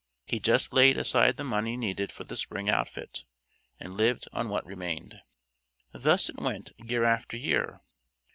He just laid aside the money needed for the spring outfit, and lived on what remained. Thus it went year after year.